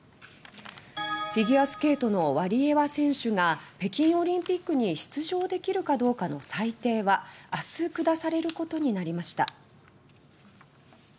フィギュアスケートのワリエワ選手が北京オリンピックに出場できるかどうかの裁定はあす下されることになりました。